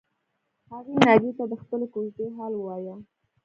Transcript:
هغې ناجیې ته د خپلې کوژدې حال ووایه